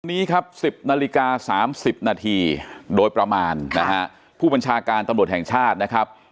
นี้ครับ๑๐นาฬิกา๓๐นาทีโดยประมาณนะฮะผู้บัญชาการตำรวจแห่งชาตินะครับ